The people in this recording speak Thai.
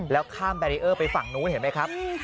แล้วข้ามแบรีเออร์ไปฝั่งนู้นเห็นไหมครับ